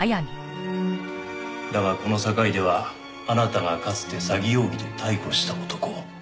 だがこの坂出はあなたがかつて詐欺容疑で逮捕した男。